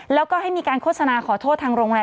แล้วก็ให้มีการโฆษณาขอโทษทางโรงแรม